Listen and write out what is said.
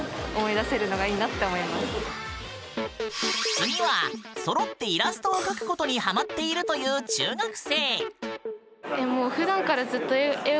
次はそろってイラストを描くことにハマっているという中学生。